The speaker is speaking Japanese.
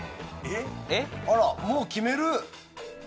あらもう決める？